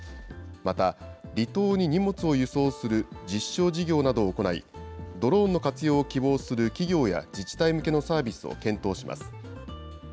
また、離島に荷物を輸送する実証事業などを行い、ドローンの活用を希望する企業や自治体向けのサービスを検討します。